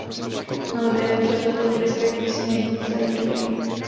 Melodie je převzata z britské písně God Save the King.